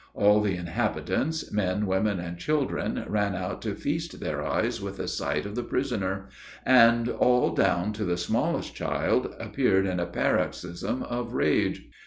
All the inhabitants, men, women, and children, ran out to feast their eyes with a sight of the prisoner; and all, down to the smallest child, appeared in a paroxysm of rage.